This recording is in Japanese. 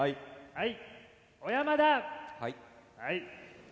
はい。